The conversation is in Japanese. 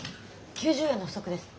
９０円の不足です。